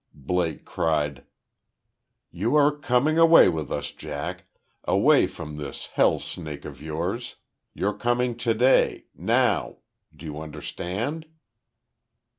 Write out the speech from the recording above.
Blake cried: "You are coming away with us, Jack away from this hell snake of yours! You're coming today now! Do you understand?"